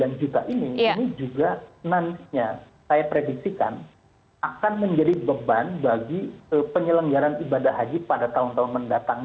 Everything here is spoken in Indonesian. juta ini ini juga nantinya saya prediksikan akan menjadi beban bagi penyelenggaran ibadah haji pada tahun tahun mendatang